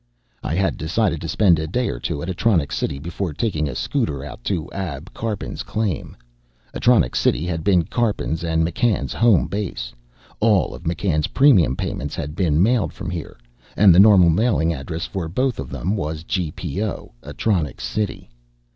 I had decided to spend a day or two at Atronics City before taking a scooter out to Ab Karpin's claim. Atronics City had been Karpin's and McCann's home base. All of McCann's premium payments had been mailed from here, and the normal mailing address for both of them was GPO Atronics City.